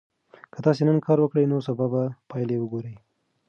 که تاسي نن کار وکړئ نو سبا به پایله وګورئ.